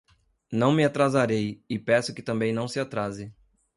Não me atrasarei, e peço que também não se atrase